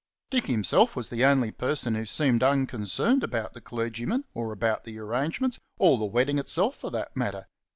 Dick himself was the only person who seemed unconcerned about the clergyman or about the arrangements, or the wedding itself for that matter.